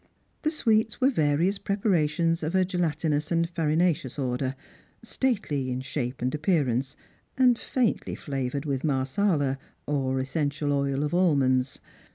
The sweets were various preparations of a gelatinous and farinaceous order, stately in shape and_ appearance, and faintly flavoured with Marsala, or essential oil of almonds.